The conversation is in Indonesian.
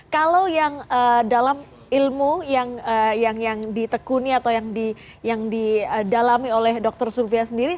kalau tidak dalam ilmu yang ditekuni ataupun yang didalami oleh dokter worthy zufia investment